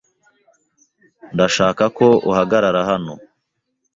Ndashaka ko uhagarara hano.